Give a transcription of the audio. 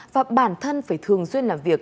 và bản thân phải thường xuyên làm việc